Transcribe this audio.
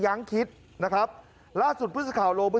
ทำไมคงคืนเขาว่าทำไมคงคืนเขาว่า